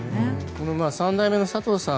３代目の佐藤さん